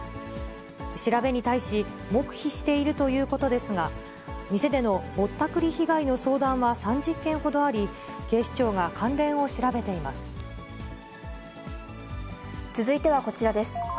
調べに対し、黙秘しているということですが、店でのぼったくり被害の相談は３０件ほどあり、警視庁が関連を続いてはこちらです。